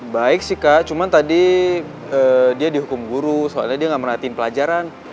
baik sih kak cuma tadi dia dihukum guru soalnya dia gak merhatiin pelajaran